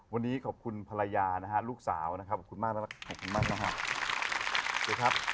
วันนี้ขอบคุณภรรยานะฮะลูกสาวนะครับขอบคุณมากนะครับ